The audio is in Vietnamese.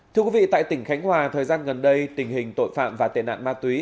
tại tỉnh khánh hòa thời gian gần đây tình hình tội phạm và tệ nạn ma túy